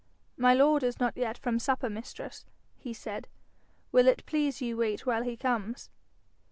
'My lord is not yet from supper, mistress,' he said. 'Will it please you wait while he comes?'